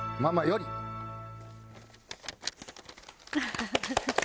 ハハハハ。